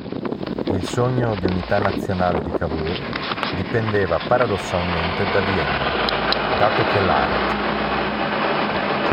Il sogno di unità nazionale di Cavour dipendeva paradossalmente da Vienna, dato che l'Art.